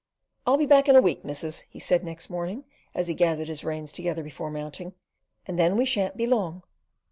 "I'll be back in a week, missus," he said next morning, as he gathered his reins together before mounting, "and then we shan't be long.